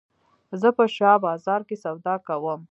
زه په شاه بازار کښي سودا کوم.